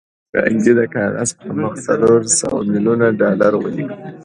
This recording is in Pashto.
کارنګي د کاغذ پر مخ څلور سوه ميليونه ډالر ولیکل